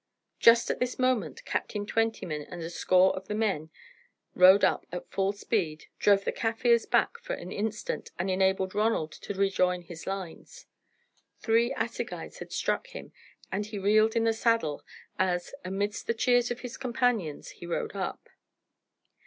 Just at this moment Captain Twentyman and a score of the men rode up at full speed, drove the Kaffirs back for an instant, and enabled Ronald to rejoin his lines. Three assegais had struck him, and he reeled in the saddle as, amidst the cheers of his companions, he rode up.